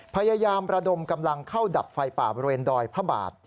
พยายามระดมกำลังเข้าดับไฟป่าบริเวณดอยพระบาท